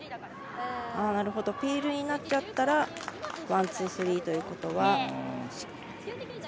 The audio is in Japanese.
ピールになっちゃったらワン、ツー、スリーということは。